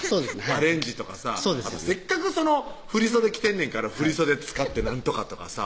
アレンジとかさせっかく振り袖着てんねんから振り袖使ってなんとかとかさ